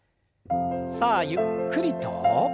さあゆっくりと。